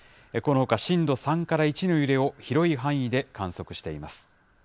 このほか、震度３から１の揺れを広い範囲で観測しています。